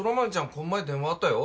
この前電話あったよ